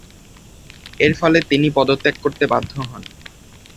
এরফলে তিনি পদত্যাগ করতে বাধ্য হন।